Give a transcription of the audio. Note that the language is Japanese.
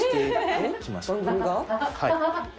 はい。